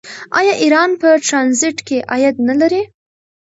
آیا ایران په ټرانزیټ کې عاید نلري؟